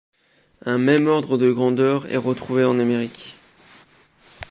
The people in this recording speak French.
Un même ordre de grandeur est retrouvé en Amérique.